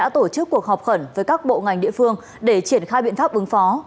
trước cuộc họp khẩn với các bộ ngành địa phương để triển khai biện pháp ứng phó